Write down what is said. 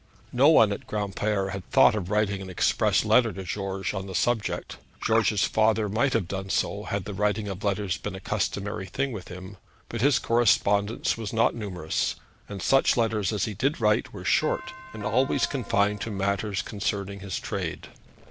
No one at Granpere had thought of writing an express letter to George on the subject. George's father might have done so, had the writing of letters been a customary thing with him; but his correspondence was not numerous, and such letters as he did write were short, and always confined to matters concerning his trade.